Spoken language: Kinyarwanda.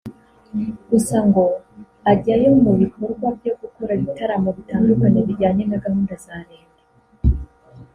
gusa ngo ajyayo mu bikorwa byo gukora ibitaramo bitandukanye bijyane na gahunda za Leta